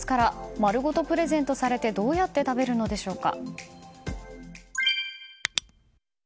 丸ごとプレゼントされてどうやって食べるのでしょうか。